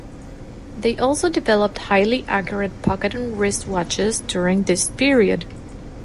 They also developed highly accurate pocket and wrist watches during this period.